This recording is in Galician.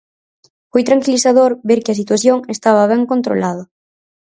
Foi tranquilizador ver que a situación estaba ben controlada.